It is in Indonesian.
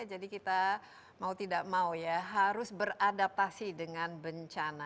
jadi kita mau tidak mau ya harus beradaptasi dengan bencana